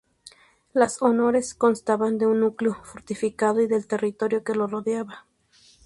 Las honores constaban de un núcleo fortificado y del territorio que lo rodeaba.